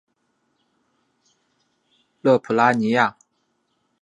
勒普拉尼亚。